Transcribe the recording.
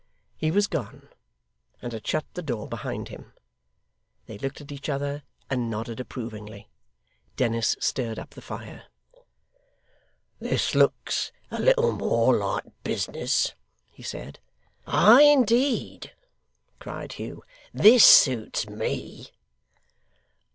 He was gone, and had shut the door behind him. They looked at each other, and nodded approvingly: Dennis stirred up the fire. 'This looks a little more like business!' he said. 'Ay, indeed!' cried Hugh; 'this suits me!